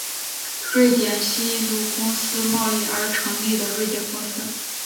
瑞典西印度公司贸易而成立的瑞典公司。